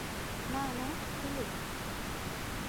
না, না, ফিলিপ।